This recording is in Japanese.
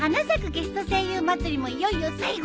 ゲスト声優まつりもいよいよ最後。